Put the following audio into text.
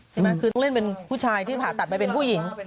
ใช่ไหมคือต้องเล่นเป็นผู้ชายที่ผ่าตัดไปเป็นผู้หญิง